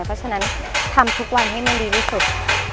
เพราะฉะนั้นทำทุกวันให้มันดีที่สุด